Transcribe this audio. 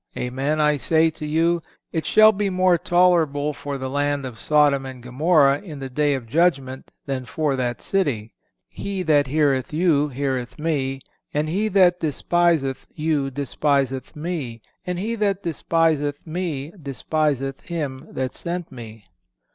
Amen, I say to you, it shall be more tolerable for the land of Sodom and Gomorrha in the day of judgment than for that city."(494) "He that heareth you heareth Me; and he that despiseth you despiseth Me; and he that despiseth Me despiseth Him that sent Me."